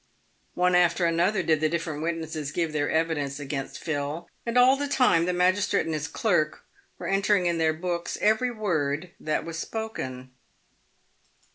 One after another did the different witnesses give their evidence against Phil, and all the time the magistrate and his clerk were enter ing in their books every word that was spoken.